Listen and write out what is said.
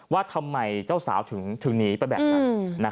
ว่าทำไมเจ้าสาวถึงหนีไปแบบนั้น